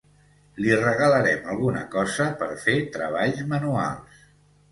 Li regalarem alguna cosa per fer treballs manuals.